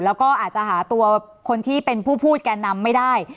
แล้วก็อาจจะหาตัวคนที่เป็นผู้พูดแก่นำไม่ได้